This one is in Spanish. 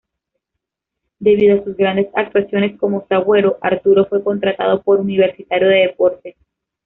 Debido a sus grandes actuaciones como zaguero, Arturo fue contratado por Universitario de Deportes.